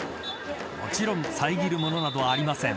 もちろん、遮るものなどありません。